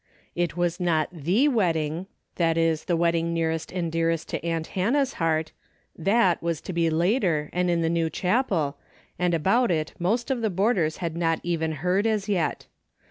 It Avas not the wedding, that is the Avedding nearest and dearest to aunt Hannah's heart ; that was to be later, and in the neAv chapel, and about it most of the boarders had not even heard, as yet.